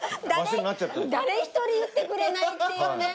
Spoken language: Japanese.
誰一人言ってくれないっていうね。